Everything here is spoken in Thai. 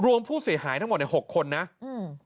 รวมผู้เสียหายทั้งหมดเนี้ยหกคนนะอืม